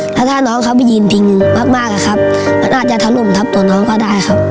ถ้าน้องครับไม่ยินทิ้งมากครับมันน่าจะทะลุ่มทับตัวน้องก็ได้ครับ